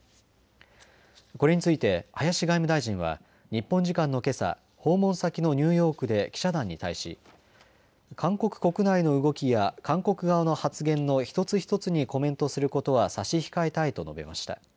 これについて林外務大臣は日本時間のけさ訪問先のニューヨークで記者団に対し韓国国内の動きや韓国側の発言の一つ一つにコメントすることは差し控えたいと述べました。